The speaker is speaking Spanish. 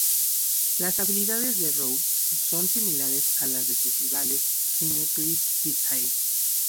Las habilidades de Rouge son similares a las de sus rivales Knuckles y Tails.